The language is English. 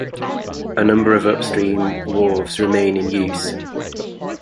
A number of upstream wharves remain in use.